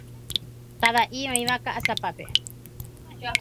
Tava'i oĩva Ka'asapápe.